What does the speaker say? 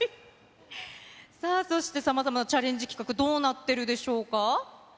さあ、そしてさまざまなチャレンジ企画、どうなってるでしょうか。